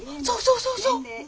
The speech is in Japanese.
そうそうそうそう！